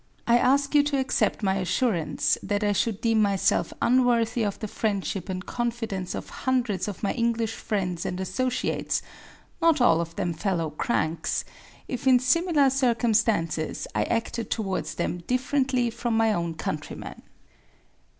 I ask you to accept my assurance that I should deem myself unworthy of the friendship and confidence of hundreds of my English friends and associates—not all of them fellow cranks—if in similar circumstances I acted towards them differently from my own countrymen.